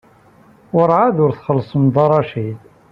Werɛad ur txellṣem Dda Racid.